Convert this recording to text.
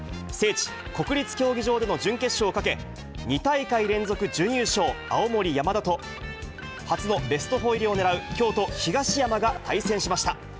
聖地、国立競技場での準決勝をかけ、２大会連続準優勝、青森山田と、初のベスト４入りをねらう京都・東山が対戦しました。